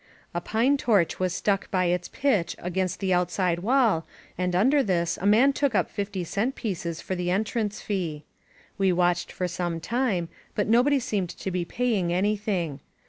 A pine torch was stuck by its pitch against the outside wall, and under this a man took up fifty cent pieces for the entrance fee. We watched for some time, but nobody seemed to be paying anything.